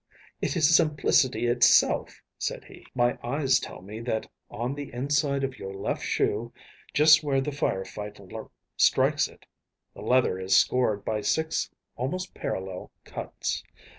“It is simplicity itself,‚ÄĚ said he; “my eyes tell me that on the inside of your left shoe, just where the firelight strikes it, the leather is scored by six almost parallel cuts.